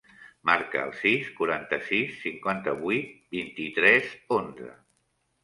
Marca el sis, quaranta-sis, cinquanta-vuit, vint-i-tres, onze.